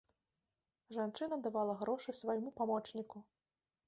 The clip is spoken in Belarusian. Жанчына давала грошы свайму памочніку.